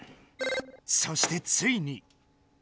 そしてついに！